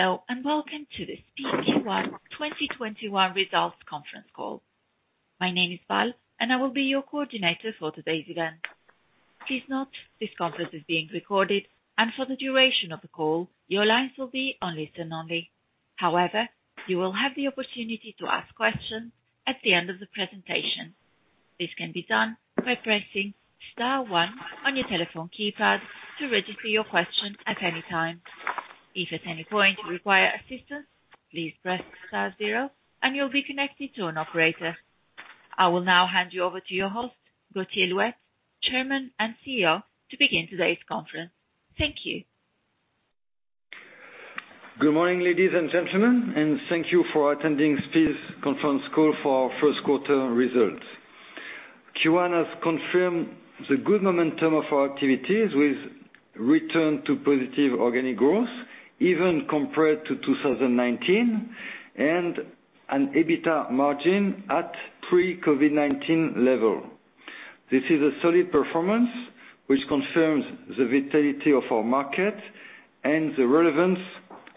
Hello, and welcome to the SPIE Q1 2021 Results Conference Call. My name is Val, and I will be your coordinator for today's event. Please note, this conference is being recorded, and for the duration of the call, your lines will be on listen only. However, you will have the opportunity to ask questions at the end of the presentation. This can be done by pressing star one on your telephone keypad to register your question at any time. If at any point you require assistance, please press star zero and you'll be connected to an operator. I will now hand you over to your host, Gauthier Louette, Chairman and CEO, to begin today's conference. Thank you. Good morning, ladies and gentlemen. Thank you for attending SPIE's Conference Call for our first quarter results. Q1 has confirmed the good momentum of our activities with return to positive organic growth, even compared to 2019, and an EBITDA margin at pre-COVID-19 level. This is a solid performance which confirms the vitality of our market and the relevance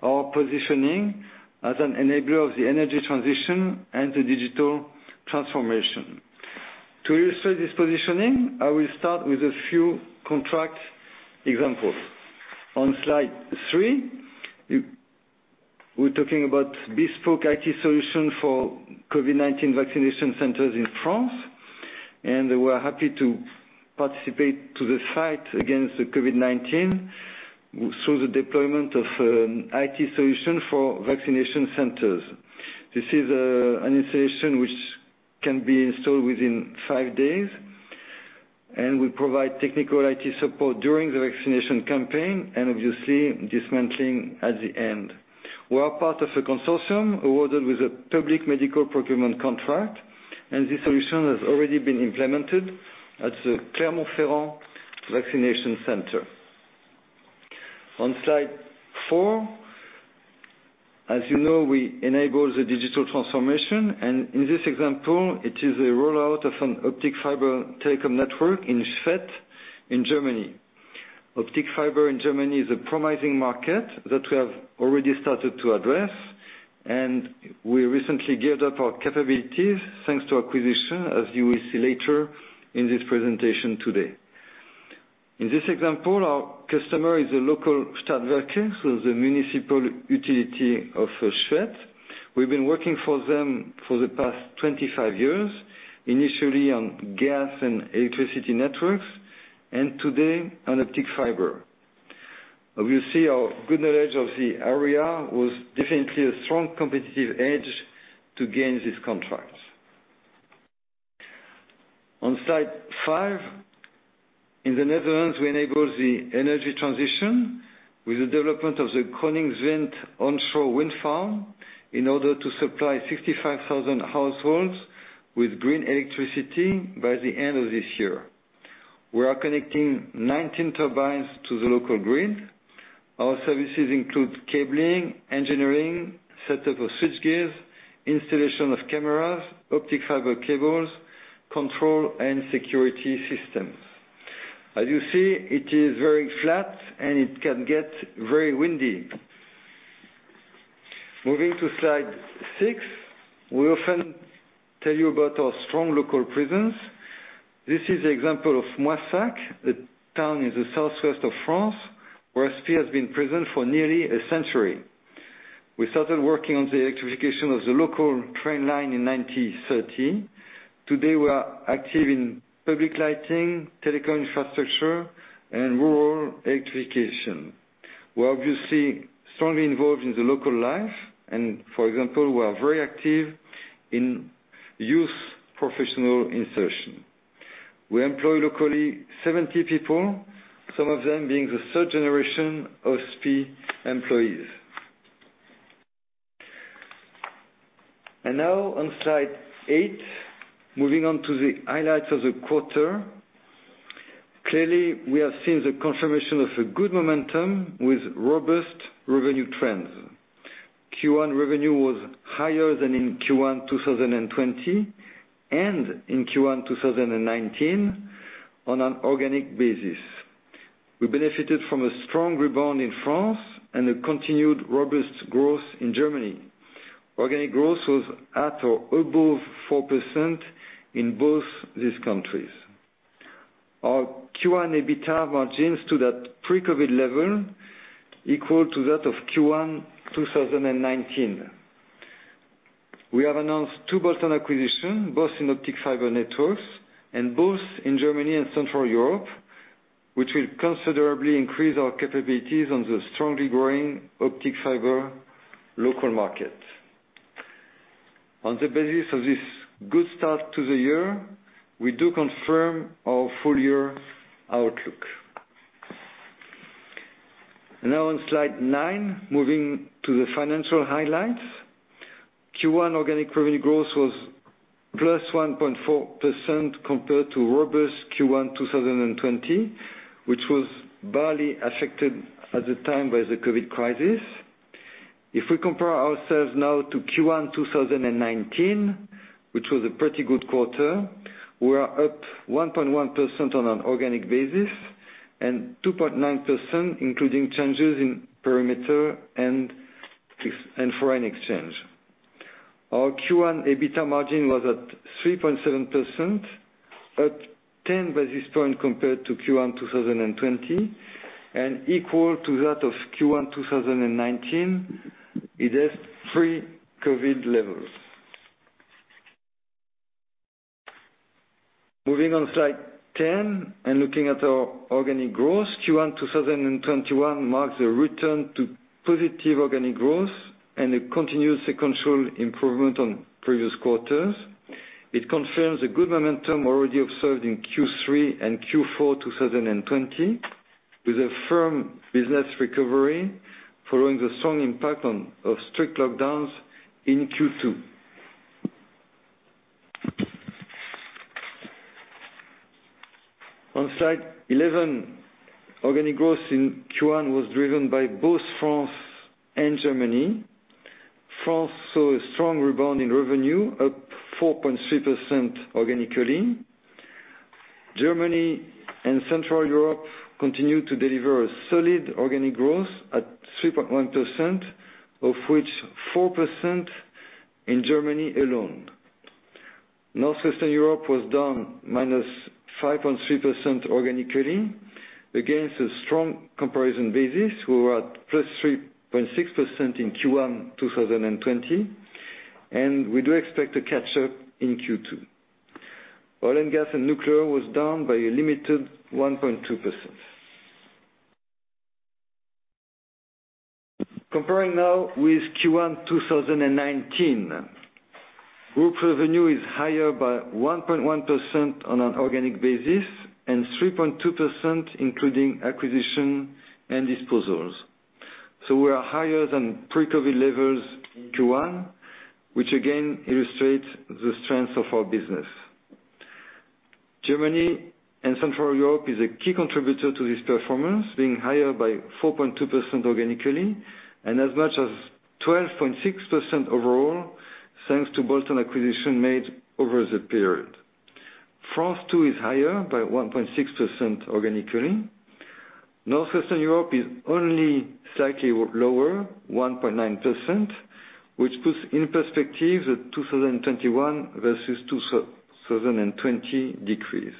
of positioning as an enabler of the energy transition and the digital transformation. To illustrate this positioning, I will start with a few contract examples. On slide three, we're talking about bespoke IT solution for COVID-19 vaccination centers in France, and we're happy to participate to the fight against the COVID-19 through the deployment of an IT solution for vaccination centers. This is an installation which can be installed within five days, and we provide technical IT support during the vaccination campaign and obviously dismantling at the end. We are part of a consortium awarded with a public medical procurement contract, and this solution has already been implemented at the Clermont-Ferrand vaccination center. On slide four, as you know, we enable the digital transformation, and in this example, it is a rollout of an optic fiber telecom network in Schwedt in Germany. Optic fiber in Germany is a promising market that we have already started to address, and we recently geared up our capabilities, thanks to acquisition, as you will see later in this presentation today. In this example, our customer is a local Stadtwerke, so the municipal utility of Schwedt. We've been working for them for the past 25 years, initially on gas and electricity networks, and today on optic fiber. We see our good knowledge of the area was definitely a strong competitive edge to gain this contract. On slide five, in the Netherlands, we enable the energy transition with the development of the Koningslust onshore wind farm in order to supply 65,000 households with green electricity by the end of this year. We are connecting 19 turbines to the local grid. Our services include cabling, engineering, setup of switch gears, installation of cameras, optic fiber cables, control and security systems. As you see, it is very flat and it can get very windy. Moving to slide six. We often tell you about our strong local presence. This is an example of Moissac, a town in the southwest of France, where SPIE has been present for nearly a century. We started working on the electrification of the local train line in 1930. Today, we are active in public lighting, telecom infrastructure, and rural electrification. We are obviously strongly involved in the local life. For example, we are very active in youth professional insertion. We employ locally 70 people, some of them being the third generation of SPIE employees. Now on slide eight, moving on to the highlights of the quarter. Clearly, we have seen the confirmation of a good momentum with robust revenue trends. Q1 revenue was higher than in Q1 2020 and in Q1 2019 on an organic basis. We benefited from a strong rebound in France and a continued robust growth in Germany. Organic growth was at or above 4% in both these countries. Our Q1 EBITDA margins to that pre-COVID level equal to that of Q1 2019. We have announced two bolt-on acquisition, both in optic fiber networks and both in Germany and Central Europe, which will considerably increase our capabilities on the strongly growing optic fiber local market. On the basis of this good start to the year, we do confirm our full year outlook. On slide nine, moving to the financial highlights. Q1 organic revenue growth was +1.4% compared to robust Q1 2020, which was barely affected at the time by the COVID crisis. If we compare ourselves now to Q1 2019, which was a pretty good quarter. We are up 1.1% on an organic basis and 2.9%, including changes in perimeter and foreign exchange. Our Q1 EBITDA margin was at 3.7%, up 10 basis points compared to Q1 2020, and equal to that of Q1 2019, it is pre-COVID levels. Moving on slide 10 and looking at our organic growth. Q1 2021 marks a return to positive organic growth, and it continues the controlled improvement on previous quarters. It confirms the good momentum already observed in Q3 and Q4 2020, with a firm business recovery following the strong impact of strict lockdowns in Q2. On slide 11, organic growth in Q1 was driven by both France and Germany. France saw a strong rebound in revenue, up 4.3% organically. Germany and Central Europe continued to deliver a solid organic growth at 3.1%, of which 4% in Germany alone. Northwestern Europe was down -5.3% organically, against a strong comparison basis. We were at +3.6% in Q1 2020, and we do expect a catch-up in Q2. Oil and gas and nuclear was down by a limited 1.2%. Comparing now with Q1 2019. Group revenue is higher by 1.1% on an organic basis and 3.2%, including acquisition and disposals. We are higher than pre-COVID-19 levels in Q1, which again illustrates the strength of our business. Germany and Central Europe is a key contributor to this performance, being higher by 4.2% organically and as much as 12.6% overall, thanks to bolt-on acquisition made over the period. France too is higher by 1.6% organically. Northwestern Europe is only slightly lower, 1.9%, which puts in perspective the 2021 versus 2020 decrease.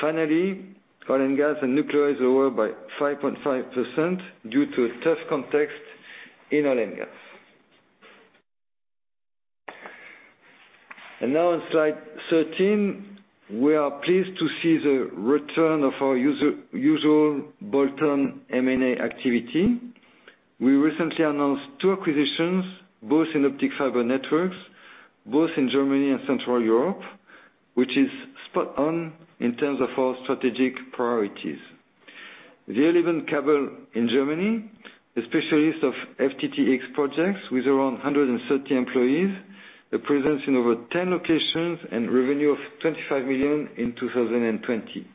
Finally, oil and gas and nuclear is lower by 5.5% due to a tough context in oil and gas. Now on slide 13, we are pleased to see the return of our usual bolt-on M&A activity. We recently announced two acquisitions, both in optic fibre networks, both in Germany and Central Europe, which is spot on in terms of our strategic priorities. WirliebenKabel in Germany, a specialist of FTTx projects with around 130 employees, a presence in over 10 locations and revenue of 25 million in 2020.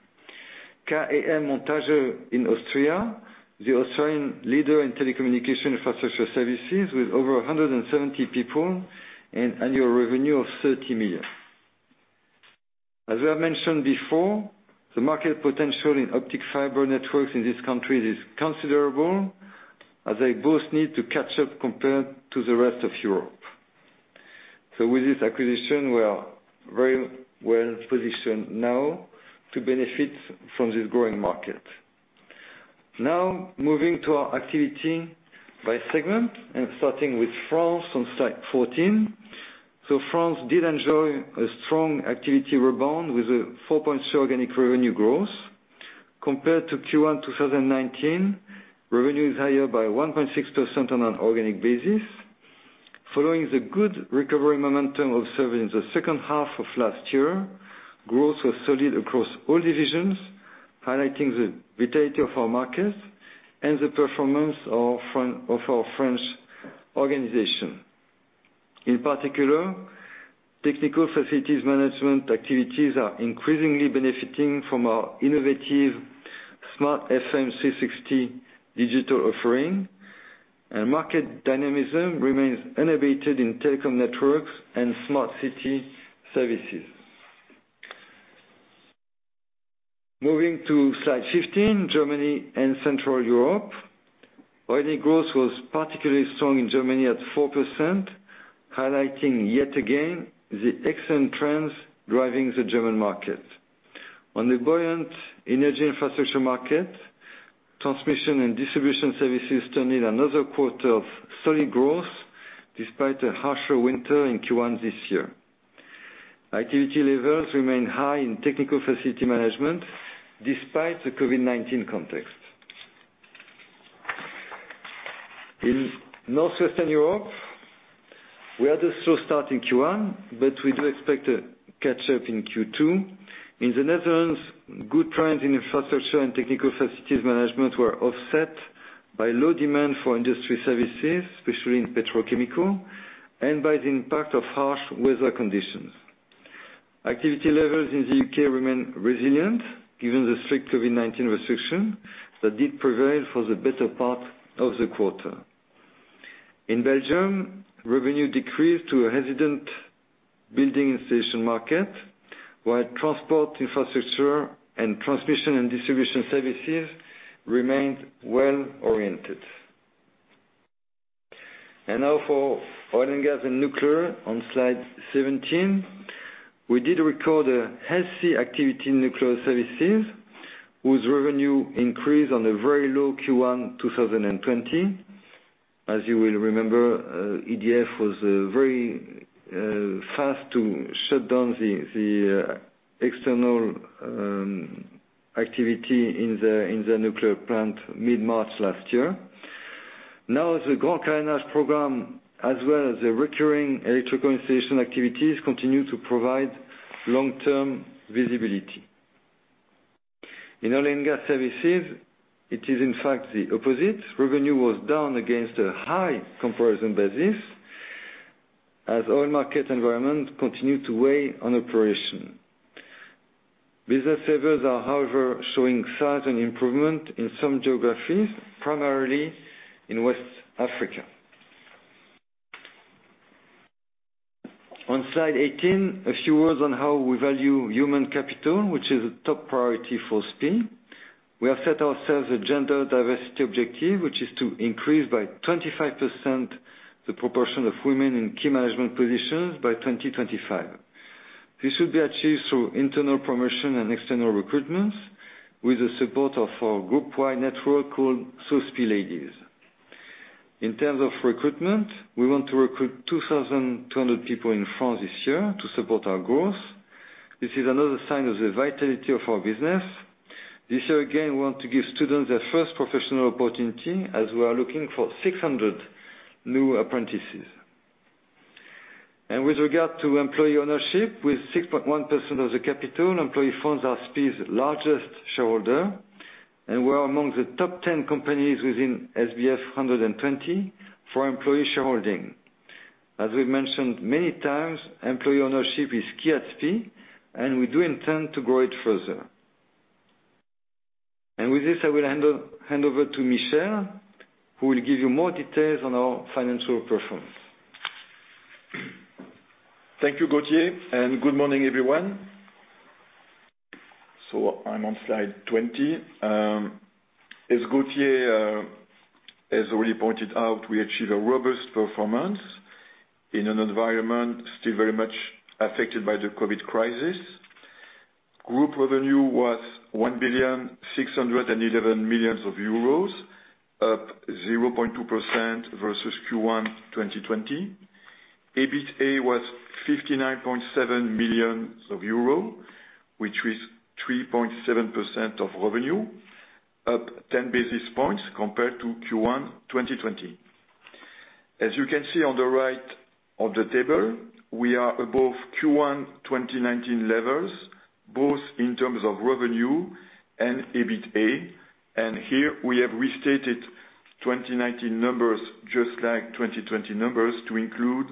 KEM Montage in Austria, the Austrian leader in telecommunication infrastructure services with over 170 people and annual revenue of 30 million. As I have mentioned before, the market potential in optic fiber networks in this country is considerable, as they both need to catch up compared to the rest of Europe. With this acquisition, we are very well positioned now to benefit from this growing market. Moving to our activity by segment and starting with France on slide 14. France did enjoy a strong activity rebound with a 4.2% organic revenue growth. Compared to Q1 2019, revenue is higher by 1.6% on an organic basis. Following the good recovery momentum observed in the second half of last year, growth was solid across all divisions, highlighting the vitality of our markets and the performance of our French organization. In particular, technical facility management activities are increasingly benefiting from our innovative Smart FM 360° digital offering. Market dynamism remains innovative in telecom networks and smart city services. Moving to slide 15, Germany and Central Europe. Organic growth was particularly strong in Germany at 4%, highlighting yet again the excellent trends driving the German market. On the buoyant energy infrastructure market, transmission and distribution services turned in another quarter of solid growth despite a harsher winter in Q1 this year. Activity levels remain high in technical facility management despite the COVID-19 context. In Northwestern Europe, we had a slow start in Q1, but we do expect a catch-up in Q2. In the Netherlands, good trends in infrastructure and technical facilities management were offset by low demand for industry services, especially in petrochemical, and by the impact of harsh weather conditions. Activity levels in the U.K. remain resilient given the strict COVID-19 restriction that did prevail for the better part of the quarter. In Belgium, revenue decreased to a hesitant building installation market, while transport infrastructure and transmission and distribution services remained well-oriented. Now for oil and gas and nuclear on slide 17. We did record a healthy activity in nuclear services, whose revenue increased on a very low Q1 2020. As you will remember, EDF was very fast to shut down the external activity in the nuclear plant mid-March last year. Now, the Grand Carénage program, as well as the recurring electrical installation activities, continue to provide long-term visibility. In oil and gas services, it is in fact the opposite. Revenue was down against a high comparison basis as oil market environment continued to weigh on operation. Business factors are, however, showing signs and improvement in some geographies, primarily in West Africa. On slide 18, a few words on how we value human capital, which is a top priority for SPIE. We have set ourselves a gender diversity objective, which is to increase by 25% the proportion of women in key management positions by 2025. This will be achieved through internal promotion and external recruitments with the support of our group-wide network called So'SPIE Ladies. In terms of recruitment, we want to recruit 2,200 people in France this year to support our growth. This is another sign of the vitality of our business. This year, again, we want to give students their first professional opportunity as we are looking for 600 new apprentices. With regard to employee ownership, with 6.1% of the capital, employee funds are SPIE's largest shareholder, and we are among the top 10 companies within SBF 120 for employee shareholding. As we've mentioned many times, employee ownership is key at SPIE, and we do intend to grow it further. With this, I will hand over to Michel, who will give you more details on our financial performance. Thank you, Gauthier, and good morning, everyone. I'm on slide 20. As Gauthier has already pointed out, we achieved a robust performance in an environment still very much affected by the COVID-19 crisis. Group revenue was 1,611 million euros, up 0.2% versus Q1 2020. EBITDA was 59.7 million euro, which is 3.7% of revenue, up 10 basis points compared to Q1 2020. As you can see on the right of the table, we are above Q1 2019 levels, both in terms of revenue and EBITDA. Here we have restated 2019 numbers just like 2020 numbers to include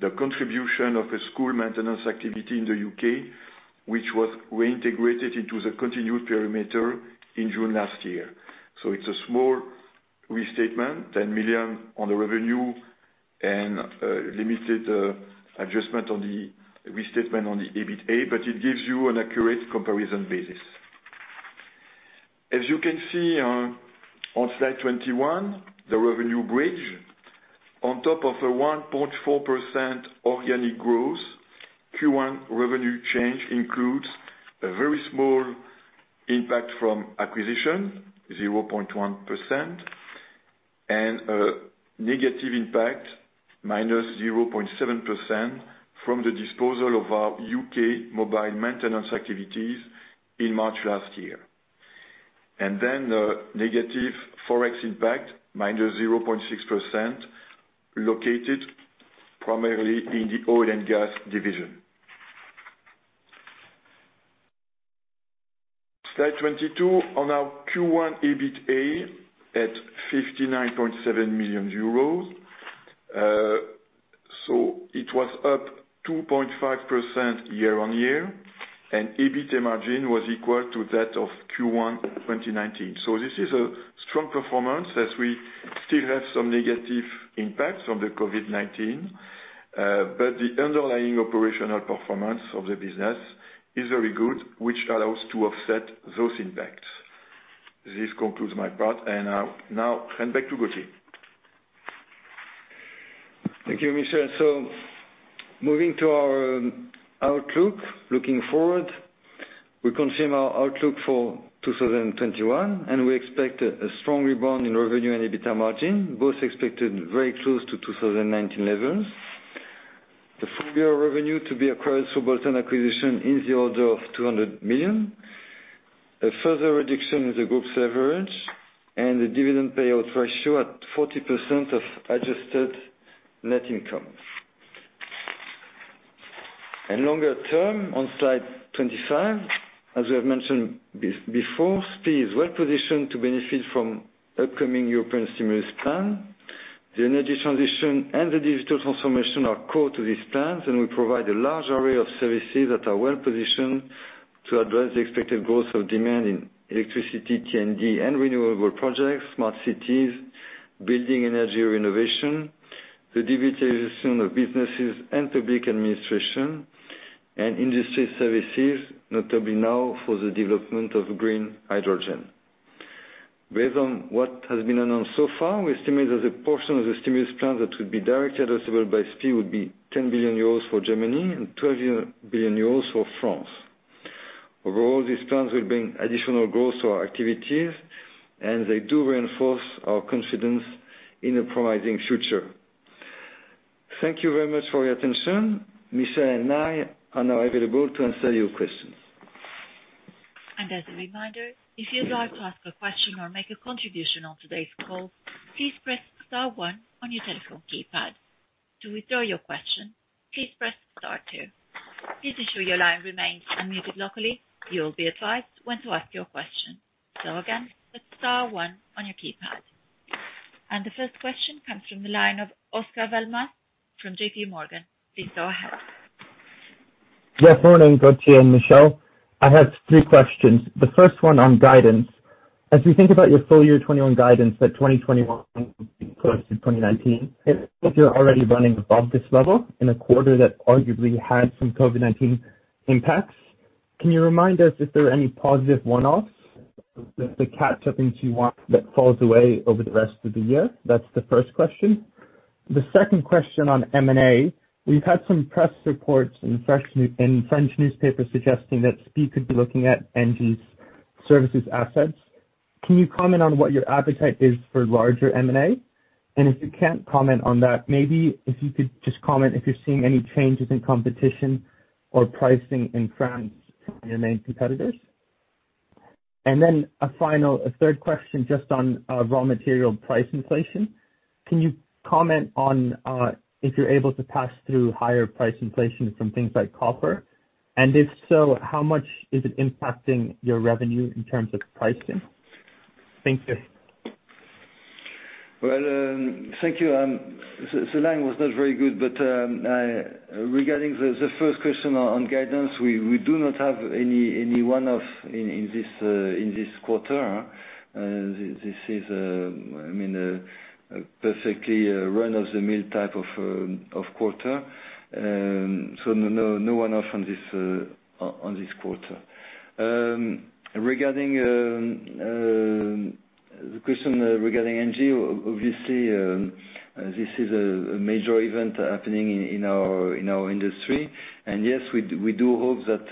the contribution of a school maintenance activity in the U.K., which was reintegrated into the continued perimeter in June last year. It's a small restatement, 10 million on the revenue and limited adjustment on the restatement on the EBITDA, but it gives you an accurate comparison basis. As you can see on slide 21, the revenue bridge. On top of a 1.4% organic growth, Q1 revenue change includes a very small impact from acquisition, 0.1%, and a negative impact, -0.7%, from the disposal of our U.K. mobile maintenance activities in March last year. A negative ForEx impact, -0.6%, located primarily in the oil and gas division. Slide 22 on our Q1 EBITDA at 59.7 million euros. It was up 2.5% year-on-year, and EBITDA margin was equal to that of Q1 2019. This is a strong performance as we still have some negative impacts from the COVID-19. The underlying operational performance of the business is very good, which allows to offset those impacts. This concludes my part, and I now hand back to Gauthier. Thank you, Michel. Moving to our outlook. Looking forward, we confirm our outlook for 2021, and we expect a strong rebound in revenue and EBITDA margin, both expected very close to 2019 levels. The full-year revenue to be acquired through bolt-on acquisition is the order of 200 million. A further reduction in the group's leverage and the dividend payout ratio at 40% of adjusted net income. Longer term, on slide 25, as we have mentioned before, SPIE is well positioned to benefit from upcoming European stimulus plan. The energy transition and the digital transformation are core to these plans, and we provide a large array of services that are well-positioned to address the expected growth of demand in electricity, T&D and renewable projects, smart cities, building energy renovation, the digitization of businesses and public administration and industry services, notably now for the development of green hydrogen. Based on what has been announced so far, we estimate that the portion of the stimulus plan that will be directly addressable by SPIE would be 10 billion euros for Germany and 12 billion euros for France. Overall, these plans will bring additional growth to our activities, and they do reinforce our confidence in a promising future. Thank you very much for your attention. Michel and I are now available to answer your questions. As a reminder, if you'd like to ask a question or make a contribution on today's call, please press star one on your telephone keypad. To withdraw your question, please press star two. Please ensure your line remains unmuted locally. You will be advised when to ask your question. Again, press star one on your keypad. The first question comes from the line of Oscar Val from JPMorgan. Please go ahead. Yes, morning, Gauthier and Michel. I have three questions. The first one on guidance. As we think about your full year 2021 guidance, that 2021 close to 2019. If you're already running above this level in a quarter that arguably had some COVID-19 impacts, can you remind us if there are any positive one-offs, the catch-up things you want that falls away over the rest of the year? That's the first question. The second question on M&A. We've had some press reports in French newspapers suggesting that SPIE could be looking at ENGIE's services assets. Can you comment on what your appetite is for larger M&A? If you can't comment on that, maybe if you could just comment if you're seeing any changes in competition or pricing in France from your main competitors. A third question just on raw material price inflation. Can you comment on if you're able to pass through higher price inflation from things like copper, and if so, how much is it impacting your revenue in terms of pricing? Thank you. Well, thank you. Regarding the first question on guidance, we do not have any one-off in this quarter. This is a perfectly run-of-the-mill type of quarter. No one-off on this quarter. The question regarding ENGIE, obviously, this is a major event happening in our industry. Yes, we do hope that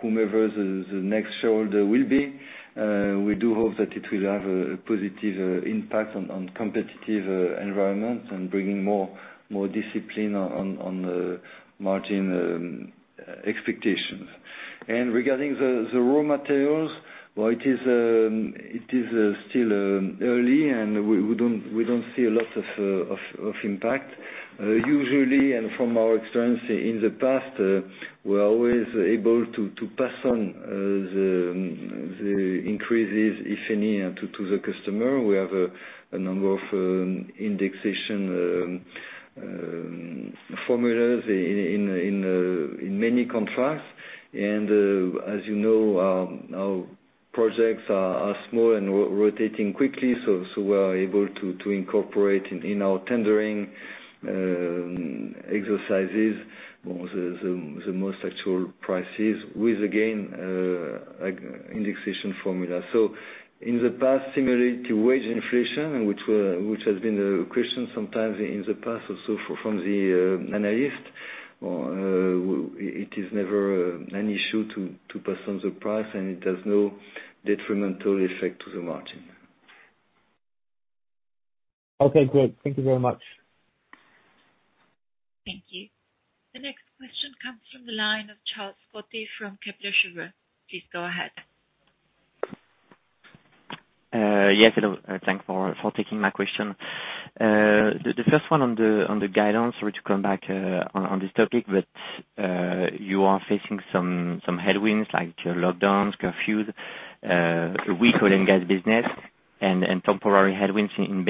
whomever the next shareholder will be, we do hope that it will have a positive impact on competitive environment and bringing more discipline on the margin expectations. Regarding the raw materials, it is still early, and we don't see a lot of impact. Usually, and from our experience in the past, we're always able to pass on the increases, if any, to the customer. We have a number of indexation formulas in many contracts. As you know, our projects are small and rotating quickly, so we are able to incorporate in our tendering exercises the most actual prices with, again, indexation formula. In the past, similarly to wage inflation, which has been a question sometimes in the past also from the analyst, it is never an issue to pass on the price, and it has no detrimental effect to the margin. Okay, great. Thank you very much. Thank you. The next question comes from the line of Charles Scotti from Kepler Cheuvreux. Please go ahead. Yes, hello. Thanks for taking my question. The first one on the guidance, sorry to come back on this topic, but you are facing some headwinds like lockdowns, curfews, a weak oil and gas business, and temporary headwinds in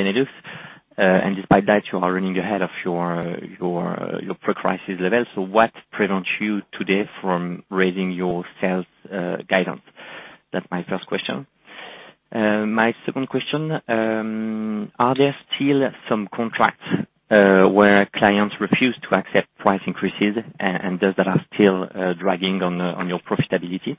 Benelux. Despite that, you are running ahead of your pre-crisis levels. What prevents you today from raising your sales guidance? That's my first question. My second question, are there still some contracts where clients refuse to accept price increases, and those that are still dragging on your profitability?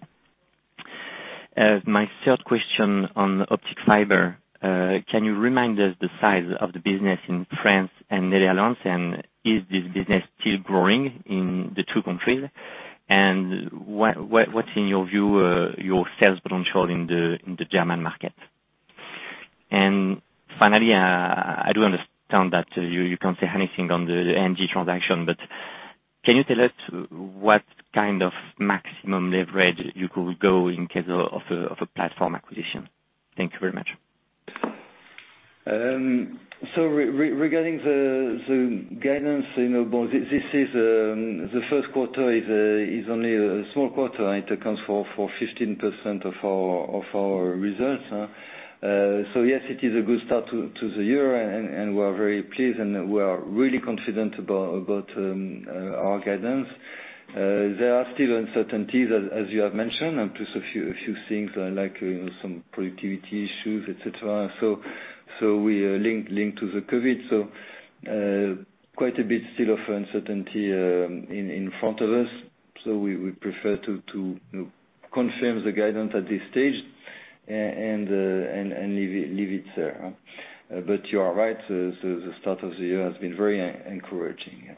My third question on optic fiber. Can you remind us the size of the business in France and the Netherlands, and is this business still growing in the two countries? What's, in your view, your sales potential in the German market? Finally, I do understand that you can't say anything on the ENGIE transaction, can you tell us what kind of maximum leverage you could go in case of a platform acquisition? Thank you very much. Regarding the guidance, the first quarter is only a small quarter. It accounts for 15% of our results. Yes, it is a good start to the year, and we are very pleased, and we are really confident about our guidance. There are still uncertainties, as you have mentioned, just a few things like some productivity issues, et cetera, linked to the COVID-19. Quite a bit still of uncertainty in front of us. We prefer to confirm the guidance at this stage and leave it there. You are right, the start of the year has been very encouraging, yeah.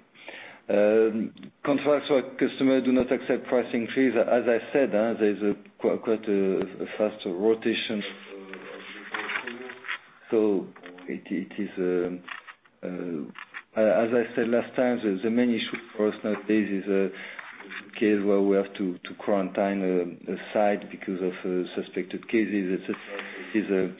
Contracts where customer do not accept pricing fees, as I said, there's quite a faster rotation. As I said last time, the main issue for us nowadays is case where we have to quarantine a site because of suspected cases, et cetera. It is a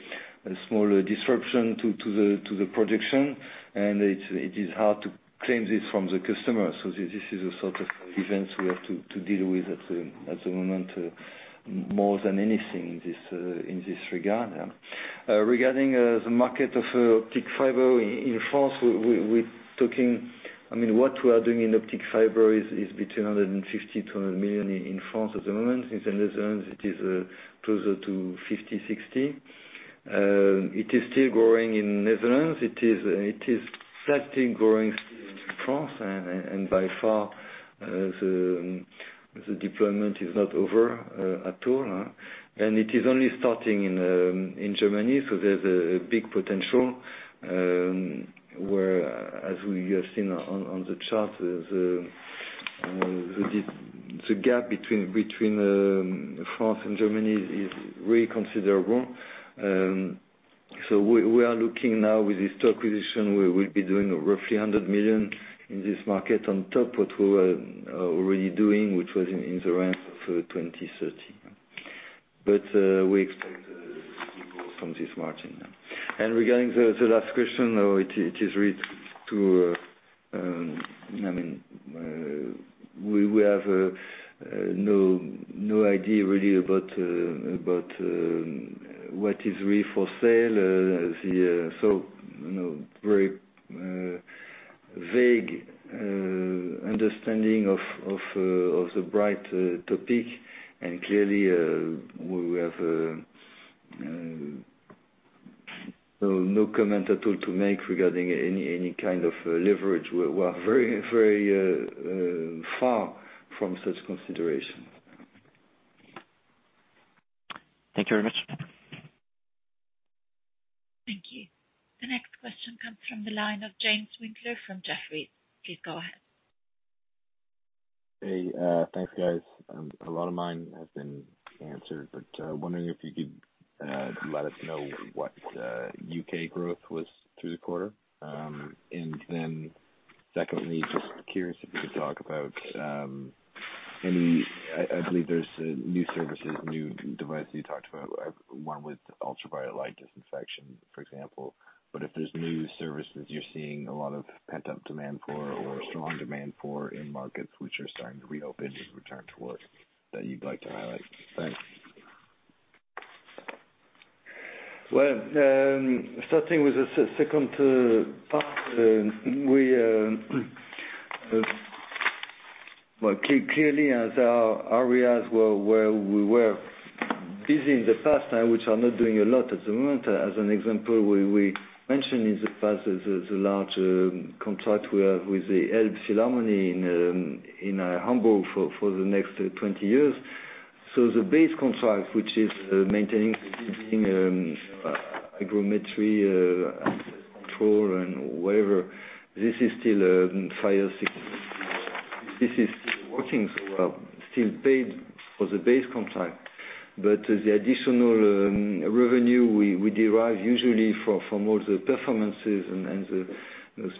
small disruption to the production, and it is hard to claim this from the customer. This is a sort of events we have to deal with at the moment, more than anything in this regard. Regarding the market of optic fiber in France, what we are doing in optic fiber is between 150 million-100 million in France at the moment. In the Netherlands, it is closer to 50 million-60 million. It is still growing in Netherlands. It is slightly growing still in France. By far, the deployment is not over at all. It is only starting in Germany, so there's a big potential, where, as we have seen on the chart, the gap between France and Germany is really considerable. We are looking now with this acquisition, we will be doing roughly 100 million in this market on top what we were already doing, which was in the ranks of 2,030. We expect to do more from this margin. Regarding the last question, we have no idea really about what is really for sale. Very vague understanding of the Bright topic. Clearly, we have no comment at all to make regarding any kind of leverage. We are very far from such consideration. Thank you very much. Thank you. The next question comes from the line of James Winckler from Jefferies. Please go ahead. Hey, thanks, guys. Wondering if you could let us know what U.K. growth was through the quarter. Secondly, just curious if you could talk about any. I believe there's new services, new device you talked about, one with ultraviolet light disinfection, for example. If there's new services you're seeing a lot of pent-up demand for or strong demand for in markets which are starting to reopen and return to work that you'd like to highlight. Thanks. Well, starting with the second part, clearly as our areas where we were busy in the past, which are not doing a lot at the moment. As an example, we mentioned in the past, the large contract we have with the Elbphilharmonie in Hamburg for the next 20 years. The base contract, which is maintaining, cleaning, geometry, access control, and whatever, this is still working. We are still paid for the base contract. The additional revenue we derive usually from all the performances and the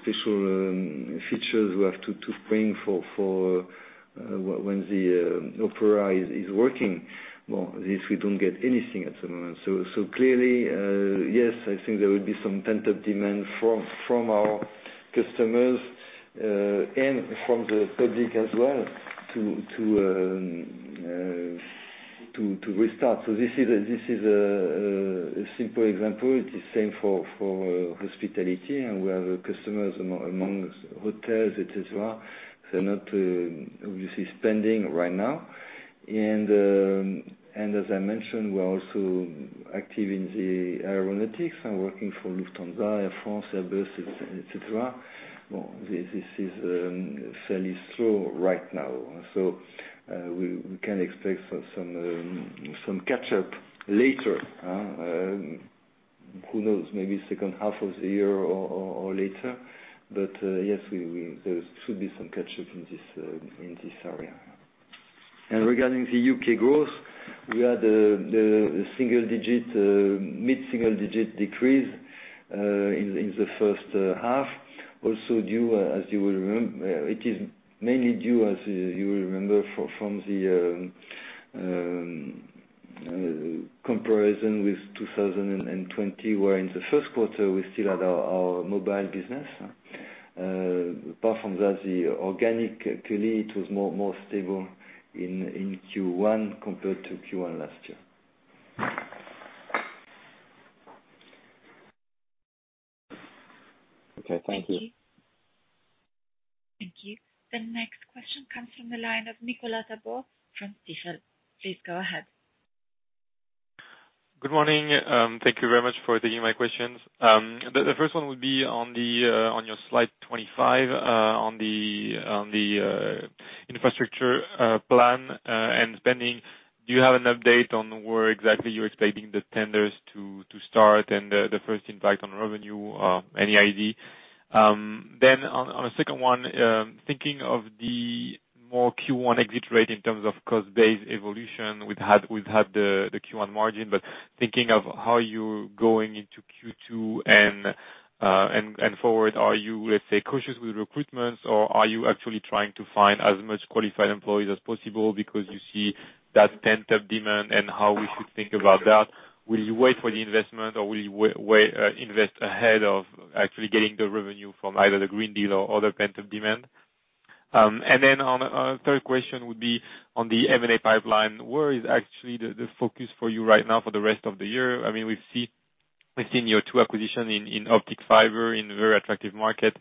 special features we have to bring for when the opera is working, this we don't get anything at the moment. Clearly, yes, I think there will be some pent-up demand from our customers, and from the public as well to restart. This is a simple example. It is same for hospitality, and we have customers among hotels, et cetera. They're not obviously spending right now. As I mentioned, we're also active in the aeronautics and working for Lufthansa, Air France, Airbus, et cetera. This is fairly slow right now. We can expect some catch-up later. Who knows? Maybe second half of the year or later. Yes, there should be some catch-up in this area. Regarding the U.K. growth, we had mid-single-digit decrease in the first half. It is mainly due, as you remember, in comparison with 2020, where in the first quarter we still had our mobile business. Apart from that, the organic, clearly it was more stable in Q1 compared to Q1 last year. Okay, thank you. Thank you. The next question comes from the line of Nicolas Tabor from Stifel. Please go ahead. Good morning. Thank you very much for taking my questions. The first one would be on your slide 25, on the infrastructure plan and spending. Do you have an update on where exactly you're expecting the tenders to start and the first impact on revenue? Any idea? On the second one, thinking of the more Q1 exit rate in terms of cost-based evolution. We've had the Q1 margin, but thinking of how you're going into Q2 and forward, are you, let's say, cautious with recruitments, or are you actually trying to find as much qualified employees as possible because you see that pent-up demand, and how we should think about that? Will you wait for the investment, or will you invest ahead of actually getting the revenue from either the Green Deal or other pent-up demand? A third question would be on the M&A pipeline. Where is actually the focus for you right now for the rest of the year? We've seen your two acquisitions in optic fiber in a very attractive market.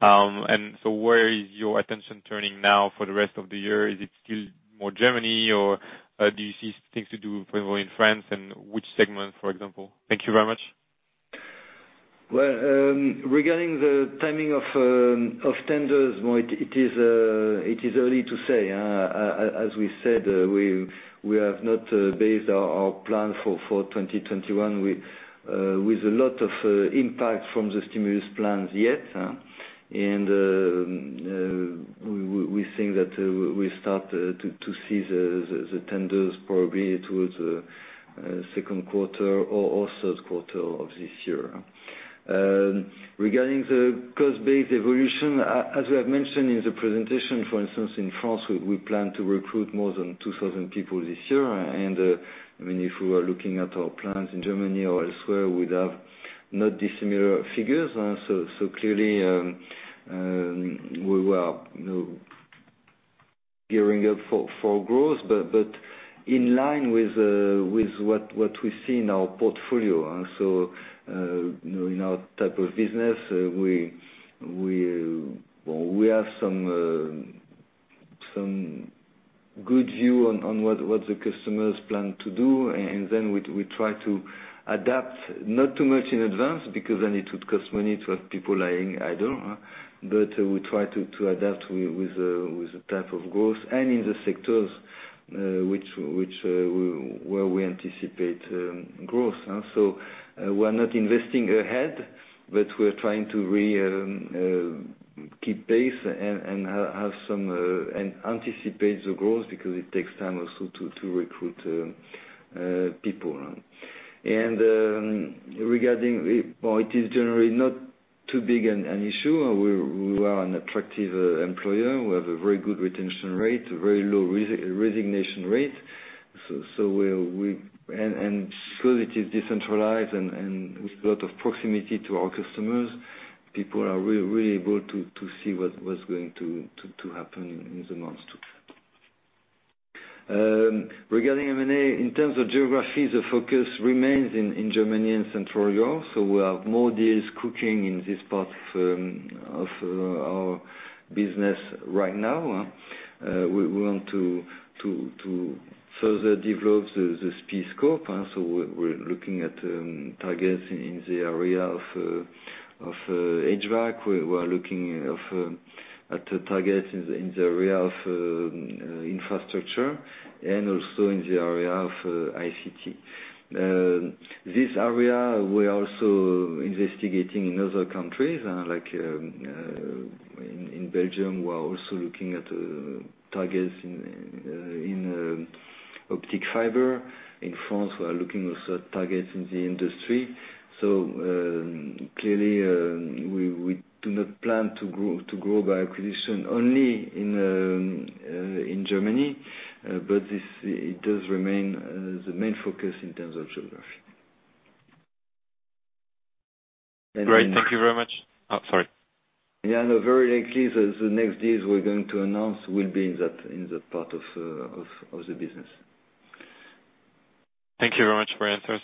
Where is your attention turning now for the rest of the year? Is it still more Germany, or do you see things to do probably in France, and which segment, for example? Thank you very much. Well, regarding the timing of tenders, it is early to say. As we said, we have not based our plan for 2021 with a lot of impact from the stimulus plans yet. We think that we'll start to see the tenders probably towards second quarter or third quarter of this year. Regarding the cost-based evolution, as we have mentioned in the presentation, for instance, in France, we plan to recruit more than 2,000 people this year. If we are looking at our plans in Germany or elsewhere, we'd have not dissimilar figures. Clearly, we were gearing up for growth, but in line with what we see in our portfolio. In our type of business, we have some good view on what the customers plan to do, and then we try to adapt, not too much in advance, because then it would cost money to have people lying idle. We try to adapt with the type of growth and in the sectors where we anticipate growth. We're not investing ahead, but we're trying to really keep pace and anticipate the growth because it takes time also to recruit people. Regarding, well, it is generally not too big an issue. We are an attractive employer. We have a very good retention rate, a very low resignation rate. Since it is decentralized and with a lot of proximity to our customers, people are really able to see what's going to happen in the months to come. Regarding M&A, in terms of geography, the focus remains in Germany and Central Europe. We have more deals cooking in this part of our business right now. We want to further develop the SPIE scope. We're looking at targets in the area of HVAC. We are looking at targets in the area of infrastructure and also in the area of ICT. This area, we're also investigating in other countries. Like in Belgium, we're also looking at targets in optic fiber. In France, we are looking also at targets in the industry. Clearly, we do not plan to grow by acquisition only in Germany, but it does remain the main focus in terms of geography. Great. Thank you very much. Oh, sorry. Yeah, no, very likely the next deals we're going to announce will be in that part of the business. Thank you very much for your answers.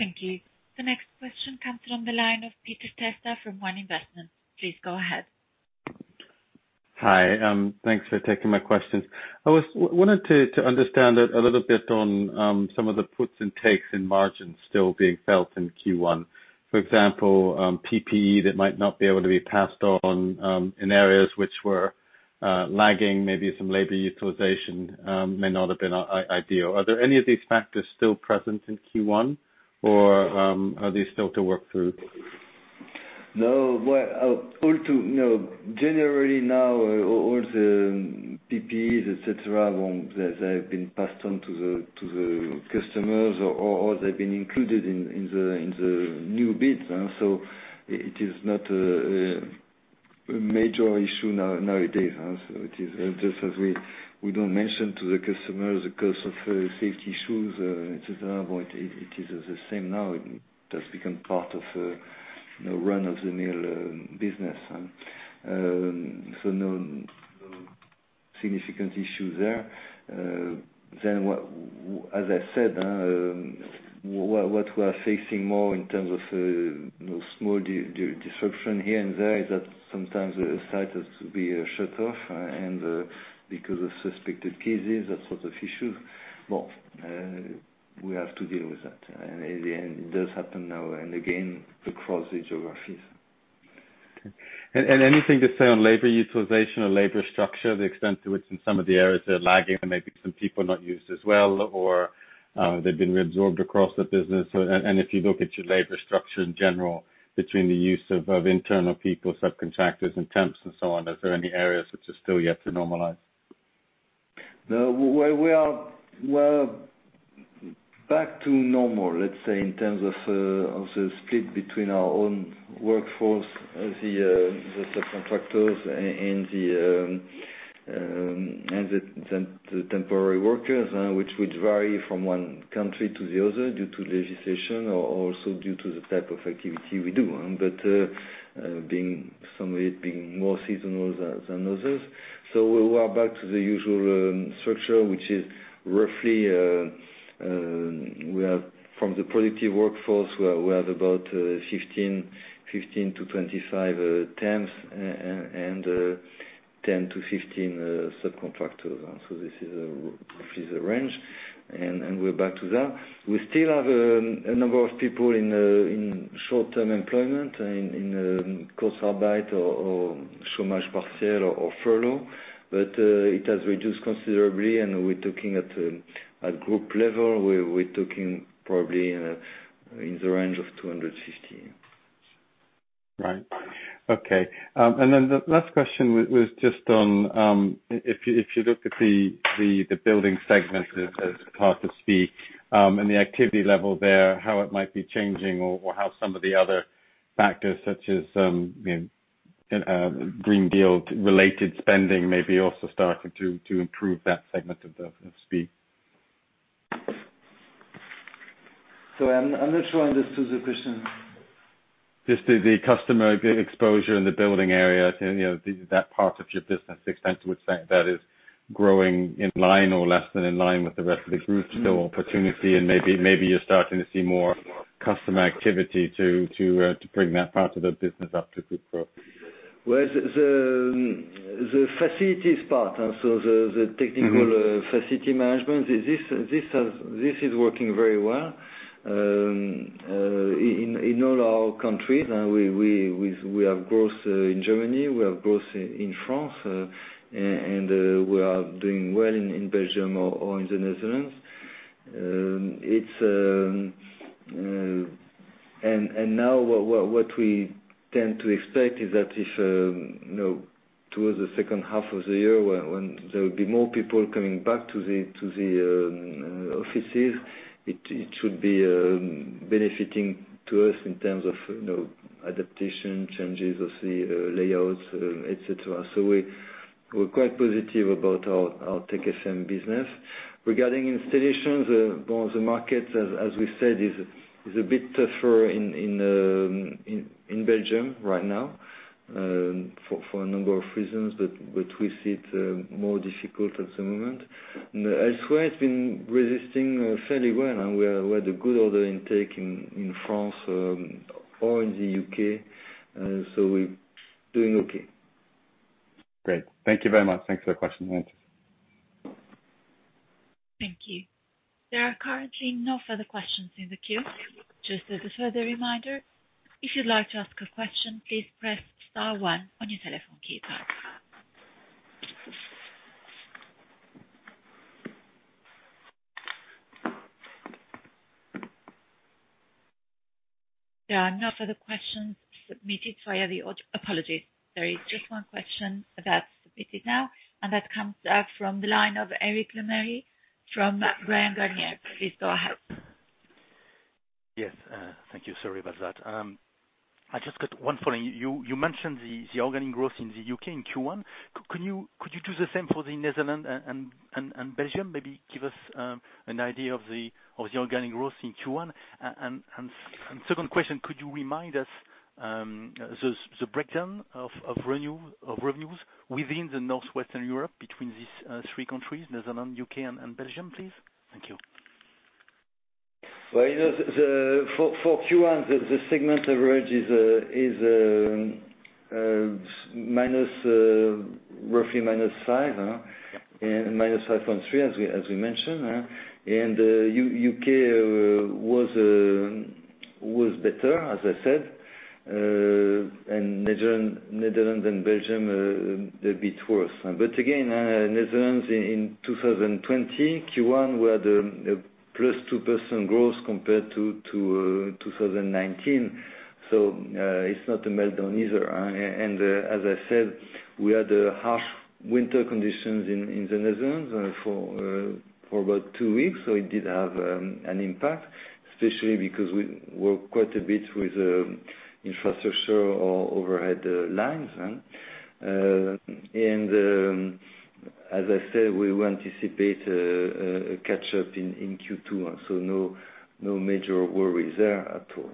Thank you. The next question comes from the line of Peter Testa from One Investments. Please go ahead. Hi. Thanks for taking my questions. I wanted to understand a little bit on some of the puts and takes in margins still being felt in Q1. For example, PPE that might not be able to be passed on in areas which were lagging, maybe some labor utilization may not have been ideal. Are there any of these factors still present in Q1, or are they still to work through? No. Generally now, all the PPEs, et cetera, they've been passed on to the customers, or they've been included in the new bids. It is not a major issue nowadays. It is just as we don't mention to the customers the cost of safety shoes, et cetera, but it is the same now. It has become part of the run-of-the-mill business. No significant issue there. As I said, what we are facing more in terms of small disruption here and there is that sometimes a site has to be shut off and because of suspected cases, that sort of issue. Well, we have to deal with that. In the end, it does happen now and again across the geographies. Okay. Anything to say on labor utilization or labor structure, the extent to which in some of the areas they're lagging and maybe some people not used as well, or they've been reabsorbed across the business? If you look at your labor structure in general between the use of internal people, subcontractors and temps and so on, are there any areas which are still yet to normalize? No. Well, back to normal, let's say, in terms of the split between our own workforce, the subcontractors, and the temporary workers, which would vary from one country to the other due to legislation or also due to the type of activity we do, but some of it being more seasonal than others. We are back to the usual structure, which is roughly, we have from the productive workforce, we have about 15-25 temps and 10-15 subcontractors. This is a range, and we're back to that. We still have a number of people in short-term employment in Kurzarbeit or chômage partiel or furlough. It has reduced considerably, and at group level, we're talking probably in the range of 250. Right. Okay. The last question was just on, if you look at the building segment as part of SPIE, and the activity level there, how it might be changing or how some of the other factors such as Green Deal-related spending may be also starting to improve that segment of SPIE. I'm not sure I understood the question? Just the customer exposure in the building area, that part of your business, the extent to which that is growing in line or less than in line with the rest of the group. Still opportunity and maybe you are starting to see more customer activity to bring that part of the business up to group growth. Well, the facilities part, so the technical facility management, this is working very well in all our countries. Now we have growth in Germany, we have growth in France, we are doing well in Belgium or in the Netherlands. Now what we tend to expect is that if towards the second half of the year, when there will be more people coming back to the offices, it should be benefiting to us in terms of adaptation, changes of the layouts, et cetera. We're quite positive about our Tech FM business. Regarding installations, well, the market, as we said, is a bit tougher in Belgium right now for a number of reasons, but we see it more difficult at the moment. Elsewhere it's been resisting fairly well. We had a good order intake in France or in the U.K., so we're doing okay. Great. Thank you very much. Thanks for the question and answers. Thank you. There are currently no further questions in the queue. Just as a further reminder, if you'd like to ask a question, please press star one on your telephone keypad. Apologies, there is just one question that's submitted now, and that comes from the line of Eric Lemarié from Garnier. Please go ahead. Yes. Thank you. Sorry about that. I just got one follow. You mentioned the organic growth in the U.K. in Q1. Could you do the same for the Netherlands and Belgium? Maybe give us an idea of the organic growth in Q1? Second question, could you remind us the breakdown of revenues within the Northwestern Europe between these three countries, Netherlands, U.K., and Belgium, please? Thank you. Well, for Q1, the segment average is roughly -5%, huh? -5.3% as we mentioned. U.K. was better, as I said. Netherlands and Belgium a bit worse. Again, Netherlands in 2020 Q1 were the +2% growth compared to 2019. It's not a meltdown either. As I said, we had harsh winter conditions in the Netherlands for about two weeks, so it did have an impact, especially because we work quite a bit with infrastructure or overhead lines. As I said, we will anticipate a catch-up in Q2. No major worries there at all.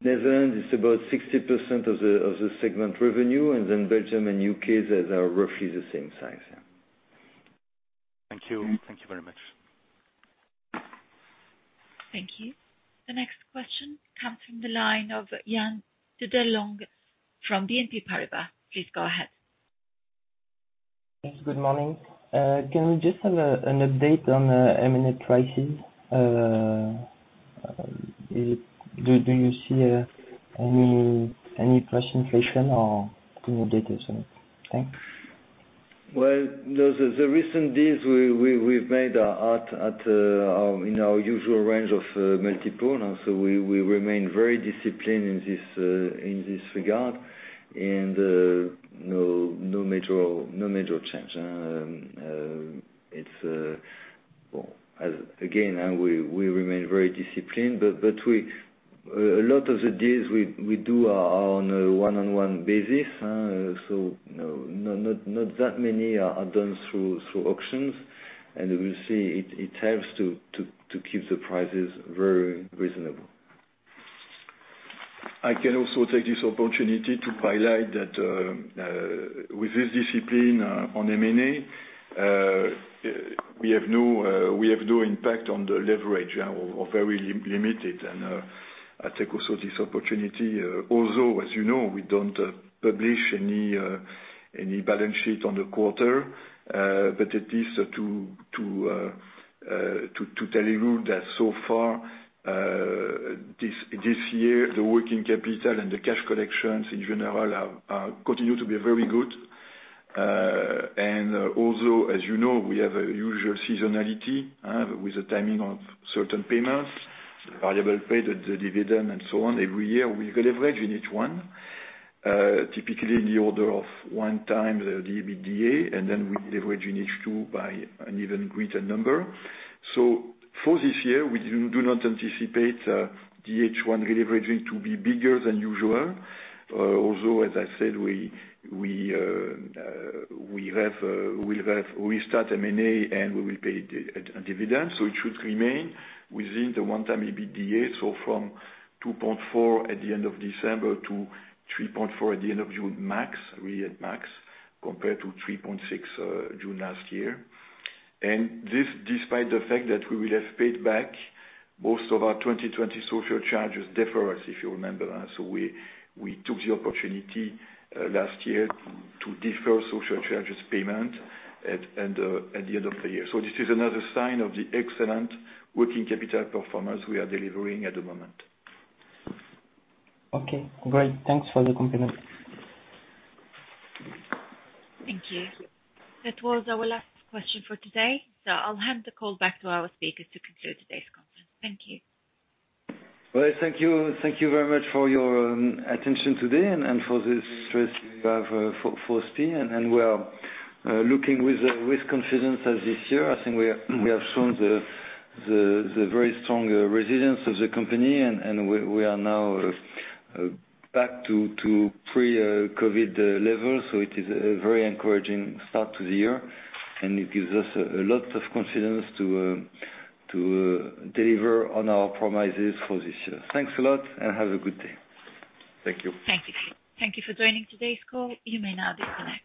Netherlands is about 60% of the segment revenue, and then Belgium and U.K., they are roughly the same size. Thank you. Thank you very much. Thank you. The next question comes from the line of Jean Delebarre from BNP Paribas. Please go ahead. Yes, good morning. Can we just have an update on M&A prices? Do you see any price inflation or consolidation? Thanks. Well, the recent deals we've made are in our usual range of multiple. We remain very disciplined in this regard, and no major change. Again, we remain very disciplined, but a lot of the deals we do are on a one-on-one basis, so not that many are done through auctions. We see it helps to keep the prices very reasonable. I can also take this opportunity to highlight that, with this discipline on M&A, we have no impact on the leverage, or very limited. I take also this opportunity, although, as you know, we don't publish any balance sheet on the quarter, but at least to tell you that so far this year, the working capital and the cash collections in general continue to be very good. Although, as you know, we have a usual seasonality with the timing of certain payments, variable paid, the dividend and so on. Every year, we leverage in H1, typically in the order of one time the EBITDA, and then we leverage in H2 by an even greater number. For this year, we do not anticipate the H1 releveraging to be bigger than usual. Although, as I said, we restart M&A, and we will pay a dividend. It should remain within the one time EBITDA, from 2.4 at the end of December to 3.4 at the end of June max, really at max, compared to 3.6 June last year. This despite the fact that we will have paid back most of our 2020 social charges deferment, if you remember. We took the opportunity last year to defer social charges payment at the end of the year. This is another sign of the excellent working capital performance we are delivering at the moment. Okay, great. Thanks for the compliment. Thank you. That was our last question for today. I'll hand the call back to our speakers to conclude today's conference. Thank you. Well, thank you. Thank you very much for your attention today and for this trust you have for SPIE. We are looking with confidence at this year. I think we have shown the very strong resilience of the company, and we are now back to pre-COVID levels. It is a very encouraging start to the year, and it gives us a lot of confidence to deliver on our promises for this year. Thanks a lot, and have a good day. Thank you. Thank you. Thank you for joining today's call. You may now disconnect.